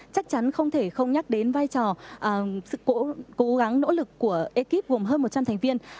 chắc chắn không thể không nhắc đến vai trò sự cố gắng nỗ lực của ekip gồm hơn một trăm linh thành viên